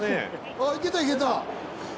あっいけたいけた。